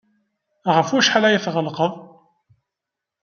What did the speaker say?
Ɣef wacḥal ay tɣellqeḍ?